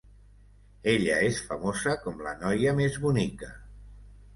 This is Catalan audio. Ella és famosa com la noia més bonica.